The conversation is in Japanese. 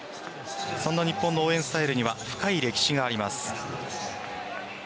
そんな日本の応援スタイルには深い歴史があります。